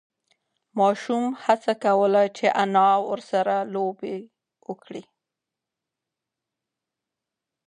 ماشوم هڅه کوله چې انا ورسه لوبه وکړي.